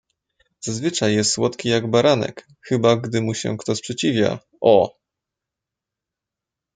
"zazwyczaj jest słodki jak baranek; chyba gdy mu się kto sprzeciwia, o!"